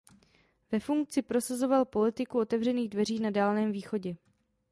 Ve funkci prosazoval politiku otevřených dveří na Dálném východě.